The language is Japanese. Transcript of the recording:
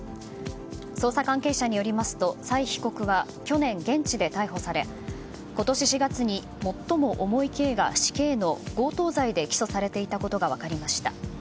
捜査関係者によりますとサイ被告は去年、現地で逮捕され今年４月に最も重い刑が死刑の強盗罪で起訴されていたことが分かりました。